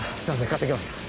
買ってきました。